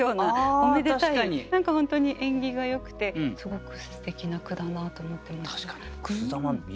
本当に縁起がよくてすごくすてきな句だなと思ってました。